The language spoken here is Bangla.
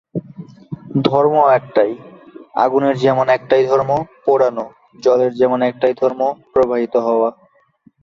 ধর্ম একটাই, আগুনের যেমন একটাই ধর্ম, পোড়ানো, জলের যেমন একটাই ধর্ম, প্রবাহিত হওয়া।